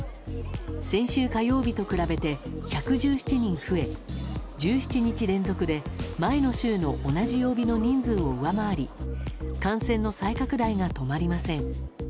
先週火曜日と比べて１１７人増え１７日連続で前の週の同じ曜日の人数を上回り感染の再拡大が止まりません。